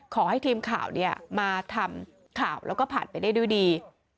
ขอให้ทีมข่าวมาทำข่าวแล้วก็ผ่านไปได้ด้วยดี